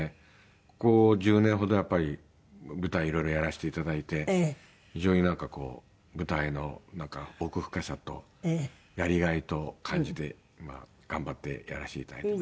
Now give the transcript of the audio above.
ここ１０年ほどはやっぱり舞台いろいろやらせていただいて非常にこう舞台の奥深さとやりがいとを感じて今頑張ってやらせていただいてます。